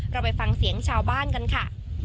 เราไปฟังเสียงชาวบ้านกันค่ะ